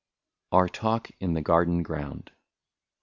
152 OUR TALK IN THE GARDEN GROUND.